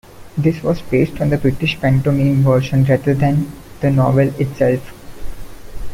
This was based on the British pantomime version rather than the novel itself.